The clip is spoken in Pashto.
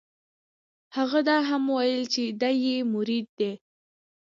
هغه دا هم وویل چې دی یې مرید دی.